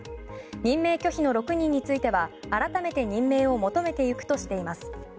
任命拒否の６人については改めて任命を求めていくとしています。